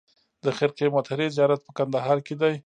د خرقې مطهرې زیارت په کندهار کې دی